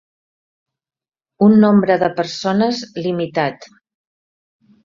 Un nombre de persones limitat.